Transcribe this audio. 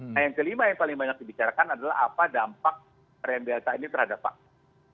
nah yang kelima yang paling banyak dibicarakan adalah apa dampak varian delta ini terhadap vaksin